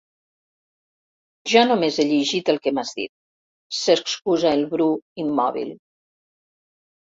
Jo només he llegit el que m'has dit —s'excusa el Bru, immòbil.